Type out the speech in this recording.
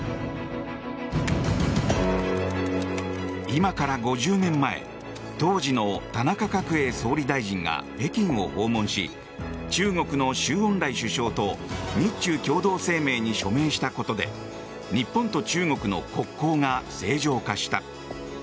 今から５０年前当時の田中角栄総理大臣が北京を訪問し中国の周恩来首相と日中共同声明に署名したことで日本と中国の国交が正常化した。